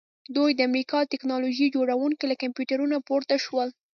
دوی د امریکا د ټیکنالوژۍ جوړونکي له کمپیوټرونو پورته شول